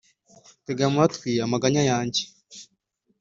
Tega amatwi amaganya yanjye,